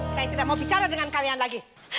saya tidak mau bicara dengan kalian lagi